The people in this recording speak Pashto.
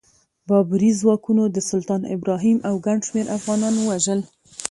بابري ځواکونو د سلطان ابراهیم او ګڼ شمېر افغانان ووژل.